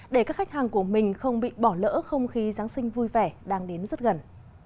để các khách hàng của mình không bị bỏ lỡ không khí giáng sinh vui vẻ đang đến rất gần